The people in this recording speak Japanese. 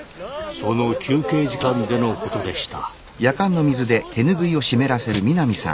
その休憩時間でのことでした。